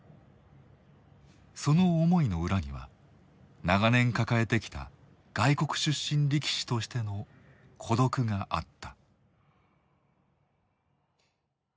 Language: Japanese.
その思いの裏には長年抱えてきた外国出身力士としての孤独があった。